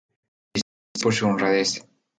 Se distinguió por su honradez.